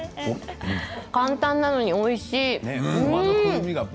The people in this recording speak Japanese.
簡単なのにおいしい。